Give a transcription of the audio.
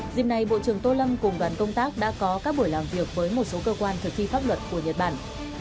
dịp này bộ trưởng tô lâm cùng đoàn công tác đã có các buổi làm việc với một số cơ quan thực thi pháp luật của nhật bản